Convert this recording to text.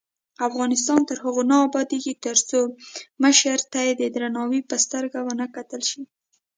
افغانستان تر هغو نه ابادیږي، ترڅو مشرې ته د درناوي سترګه ونه کتل شي.